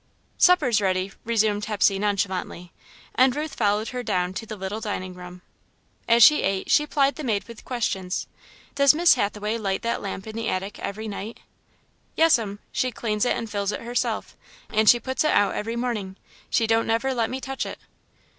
"Supper's ready," resumed Hepsey, nonchalantly, and Ruth followed her down to the little dining room. As she ate, she plied the maid with questions. "Does Miss Hathaway light that lamp in the attic every night?" "Yes'm. She cleans it and fills it herself, and she puts it out every morning. She don't never let me touch it."